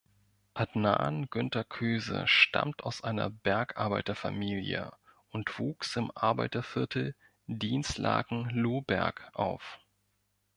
Adnan Günter Köse stammt aus einer Bergarbeiterfamilie und wuchs im Arbeiterviertel Dinslaken-Lohberg auf.